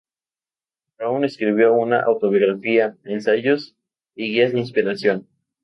Brown escribió una autobiografía, ensayos y guías de inspiración.